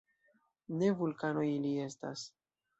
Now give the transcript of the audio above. Ne vulkanoj ili estas.